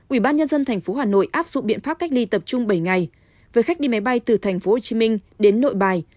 ubnd tp hcm áp dụng biện pháp cách ly tập trung bảy ngày với khách đi máy bay từ tp hcm đến nội bài